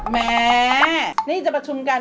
แหมนี่จะประชุมกัน